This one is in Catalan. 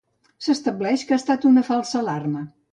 S'estableix que ha estat una falsa alarma.